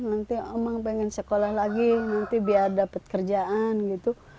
nanti omang pengen sekolah lagi nanti biar dapat kerjaan gitu